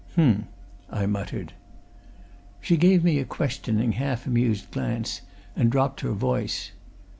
"Um!" I muttered. She gave me a questioning, half amused glance, and dropped her voice.